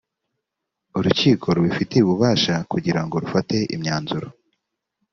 urukiko rubifitiye ububasha kugira ngo rufate imyanzuro